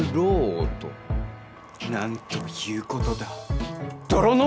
なんということだ。